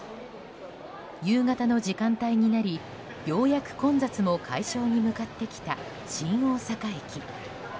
夕方の時間帯になりようやく混雑も解消に向かってきた新大阪駅。